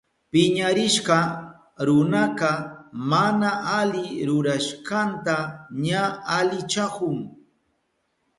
Piñarishka runaka mana ali rurashkanta ña alichahun.